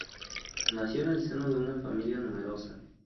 Nació en el seno de una familia numerosa.